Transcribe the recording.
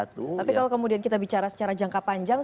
tapi kalau kemudian kita bicara secara jangka panjang